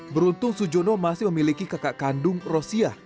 beruntung sujono masih memiliki kakak kandung rosia